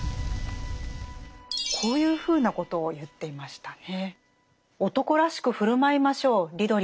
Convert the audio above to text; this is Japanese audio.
こういうふうなことを言っていましたね。